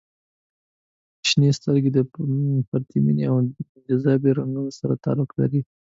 • شنې سترګې د پرتمینې او جاذبې د رنګونو سره تطابق لري.